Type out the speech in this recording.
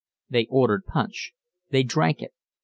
They ordered punch. They drank it.